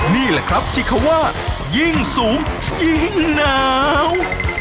นี่แหละครับที่เขาว่ายิ่งสูงยิ่งหนาว